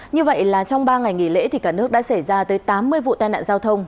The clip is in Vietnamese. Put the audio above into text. như vậy là trong ba ngày nghỉ lễ thì cả nước đã xảy ra tới tám mươi vụ tai nạn giao thông